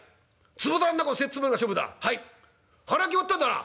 「張りは決まったんだな？」。